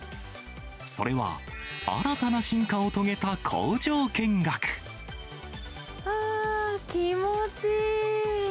それは、あー、気持ちいい。